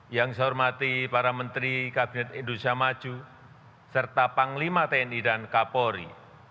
yang saya hormati para menteri kabinet indonesia maju serta panglima tni dan kapolri